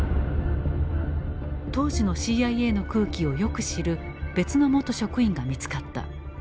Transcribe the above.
当時のＣＩＡの空気をよく知る別の元職員が見つかった。